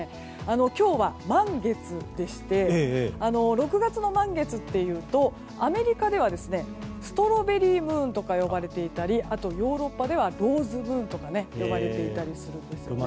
今日は満月でして６月の満月というとアメリカではストロベリームーンとか呼ばれていたりヨーロッパではローズムーンとか呼ばれていたりするんですね。